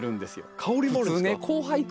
香りもあるんですか？